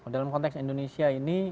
dalam konteks indonesia ini